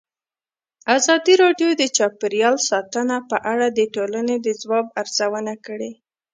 ازادي راډیو د چاپیریال ساتنه په اړه د ټولنې د ځواب ارزونه کړې.